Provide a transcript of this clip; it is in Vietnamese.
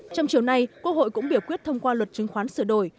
trong chiều nay quốc hội cũng biểu quyết thông qua luật chứng khoán sửa đổi